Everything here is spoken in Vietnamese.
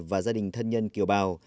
và gia đình thân nhân kiều bào